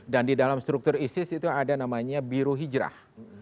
dan di dalam struktur isis itu ada namanya birohijrah